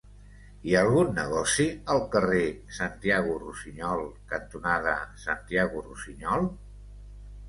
Hi ha algun negoci al carrer Santiago Rusiñol cantonada Santiago Rusiñol?